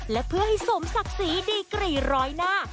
และเพื่อให้สมศักดิ์ศรีดีกรีร้อยหน้า